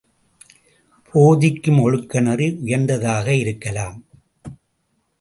போதிக்கும் ஒழுக்க நெறி உயர்ந்ததாக இருக்கலாம்.